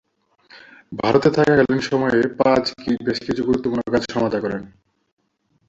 ভারতে থাকাকালীন সময়ে পাজ বেশ কিছু গুরুত্বপূর্ণ কাজ সমাধা করেন।